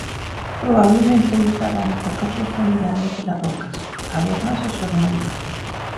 Probablemente habitaban a poca profundidad entre las rocas, cavernas o suelo marino.